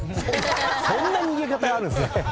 そんな逃げ方があるんですね。